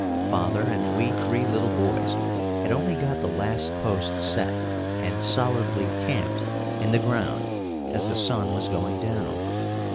Father and we three little boys had only got the last post set and solidly "tamped" in the ground as the sun was going down.